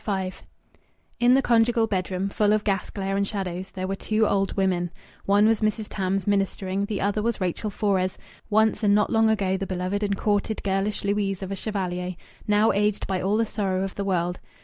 V In the conjugal bedroom, full of gas glare and shadows, there were two old women. One was Mrs. Tams, ministering; the other was Rachel Fores, once and not long ago the beloved and courted girlish Louise of a chevalier, now aged by all the sorrow of the world.